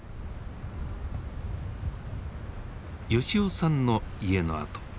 吉男さんの家の跡。